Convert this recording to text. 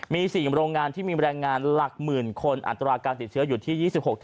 มี๔โรงงานที่มีแรงงานหลักหมื่นคนอัตราการติดเชื้ออยู่ที่๒๖